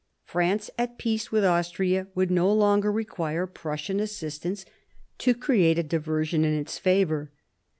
France at peace with Austria would no longer require Prussian assistance to create a diversion in its favour.